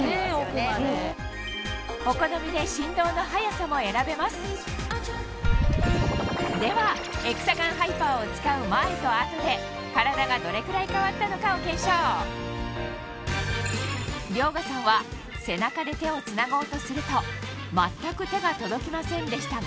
お好みで振動の速さも選べますではエクサガンハイパーを使う前と後で体がどれくらい変わったのかを検証遼河さんは背中で手をつなごうとすると全く手が届きませんでしたが